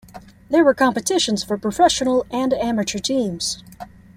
There were competitions for professional and amateur teams.